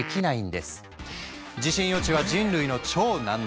地震予知は人類の超難題。